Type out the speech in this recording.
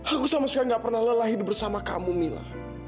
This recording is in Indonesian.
aku sama sekali gak pernah lelah hidup bersama kamu mila